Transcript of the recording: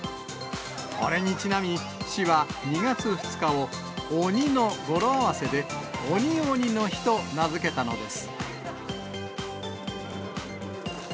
これにちなみ、市は２月２日を、０２の語呂合わせで、鬼鬼の日と名付けたのです。